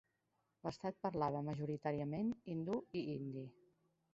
L'estat parlava, majoritàriament, hindú i hindi.